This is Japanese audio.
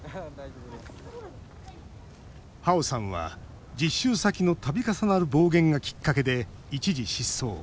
ハオさんは実習先のたび重なる暴言がきっかけで一時失踪。